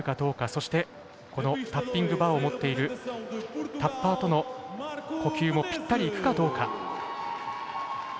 そして、タッピングバーを持っているタッパーとの呼吸もぴったりいくかどうか。